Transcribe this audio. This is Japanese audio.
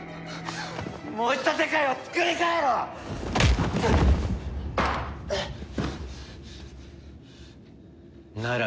もう一度世界をつくり変えろ！なら